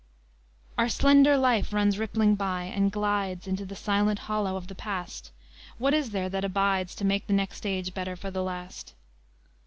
IV Our slender life runs rippling by, and glides Into the silent hollow of the past; What is there that abides To make the next age better for the last?